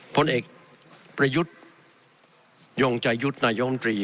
ผลเอกประยุทธ์ยงใจยุทธ์นายมนตรี